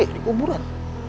eh di kuburan